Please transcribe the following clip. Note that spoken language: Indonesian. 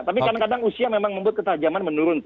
tapi kadang kadang usia memang membuat ketajaman menurun